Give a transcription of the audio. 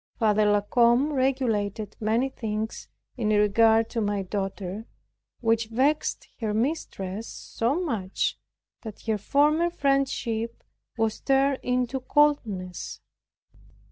Father La Combe regulated many things in regard to my daughter, which vexed her mistress so much, that her former friendship was turned into coldness.